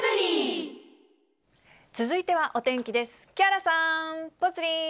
続いてはお天気です。